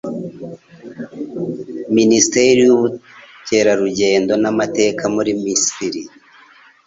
Minisiteri y'Ubukerarugendo n'Amateka muri Misiri